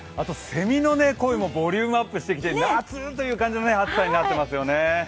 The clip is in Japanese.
セミの声もボリュームアップしてきて夏という感じの暑さになっていますよね。